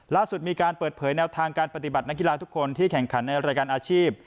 ล่าสุดมีการเปิดเผยแนวทางการปฏิบัตินักกีฬาทุกคนที่แข่งขันในรายการอาชีพ